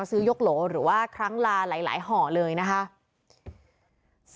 และก็คือว่าถึงแม้วันนี้จะพบรอยเท้าเสียแป้งจริงไหม